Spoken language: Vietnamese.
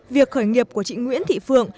việc khởi nghiệp của chị nguyễn thị phượng